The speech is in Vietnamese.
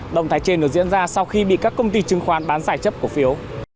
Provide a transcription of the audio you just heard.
động thái trên được diễn ra sau khi bị các công ty chứng khoán bán giải chấp cổ phiếu